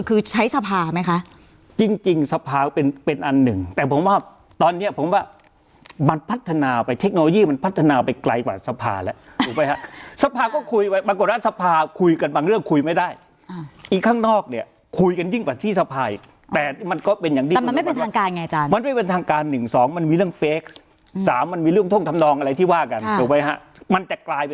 คือใช้สภาไหมคะจริงจริงสภาเป็นเป็นอันหนึ่งแต่ผมว่าตอนเนี้ยผมว่ามันพัฒนาไปเทคโนโลยีมันพัฒนาไปไกลกว่าสภาแล้วถูกไหมฮะสภาก็คุยไว้บางคนว่าสภาคุยกันบางเรื่องคุยไม่ได้อืมอีกข้างนอกเนี้ยคุยกันยิ่งกว่าที่สภาอีกแต่มันก็เป็นอย่างนี้แต่มันไม่เป็นทางการไงจ้ะมันไม่เป